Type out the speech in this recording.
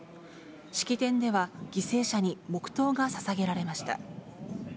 式典では、犠牲者に黙とうがささげられました。